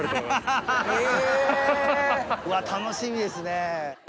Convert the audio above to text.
うわ楽しみですね。